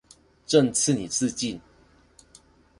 朕賜你自盡